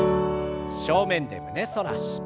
正面で胸反らし。